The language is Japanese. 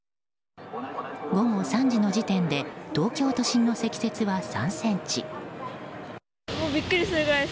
午後３時の時点で東京都心の積雪は３ｃｍ。